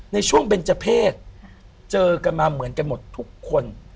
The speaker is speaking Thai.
ในช่วงเบนเจอร์เพศเจอกันมาเหมือนกันหมดทุกคน